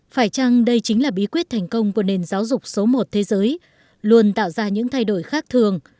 phải chăng đây chính là bí quyết thành công của nền giáo dục số một thế giới luôn tạo ra những thay đổi khác thường